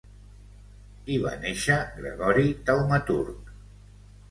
Hi va néixer Gregori Taumaturg.